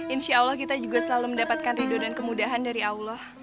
insya allah kita juga selalu mendapatkan ridho dan kemudahan dari allah